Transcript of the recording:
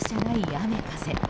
雨風。